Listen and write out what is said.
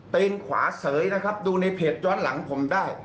ขวาเสยนะครับดูในเพจย้อนหลังผมได้